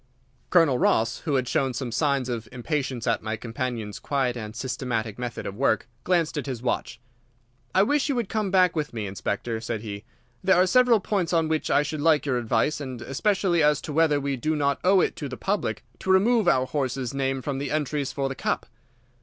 Colonel Ross, who had shown some signs of impatience at my companion's quiet and systematic method of work, glanced at his watch. "I wish you would come back with me, Inspector," said he. "There are several points on which I should like your advice, and especially as to whether we do not owe it to the public to remove our horse's name from the entries for the Cup."